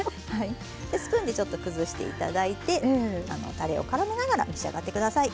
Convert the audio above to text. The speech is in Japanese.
スプーンでちょっと崩して頂いてたれをからめながら召し上がって下さい。